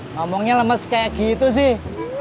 ngomongnya lemes kayak gitu sih